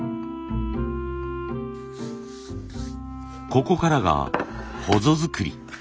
ここからがほぞ作り。